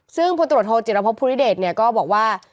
ซึ่งผู้ตรวจโทรจิตรพพุธิเดชน์เนี่ยก็บอกว่า